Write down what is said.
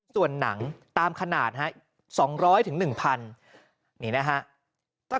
ส่วนหนังตามขนาด๒๐๐๑๐๐๐บาทนี่นะครับ